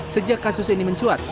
sejak kasus ini mencuat